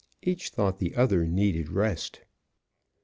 Each thought the other needed rest.